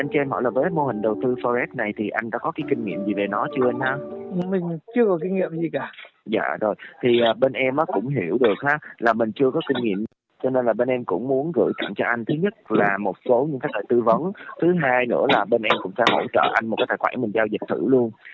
thứ hai nữa là bên em cũng sẽ hỗ trợ anh một cái tài khoản mình giao dịch thử luôn